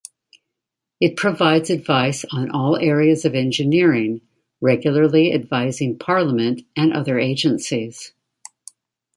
It provides advice on all areas of engineering, regularly advising Parliament and other agencies.